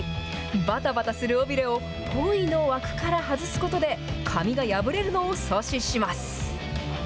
ばたばたする尾びれをポイの枠から外すことで、紙が破れるのを阻止します。